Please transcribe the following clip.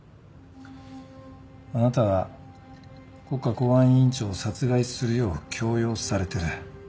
あなたは国家公安委員長を殺害するよう強要されてる。